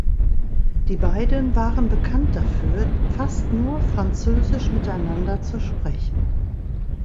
Die beiden waren bekannt dafür, fast nur französisch miteinander zu sprechen.